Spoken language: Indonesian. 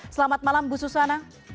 selamat malam bu susana